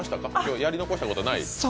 やり残したことない？